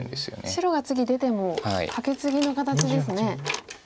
白が次出てもカケツギの形ですね。